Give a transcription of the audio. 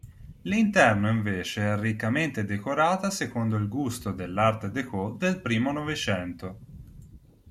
L'interno invece è riccamente decorata secondo il gusto dell'art déco del primo Novecento.